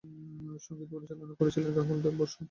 সঙ্গীত পরিচালনা করেছিলেন রাহুল দেব বর্মণ।